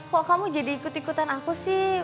kok kamu jadi ikut ikutan aku sih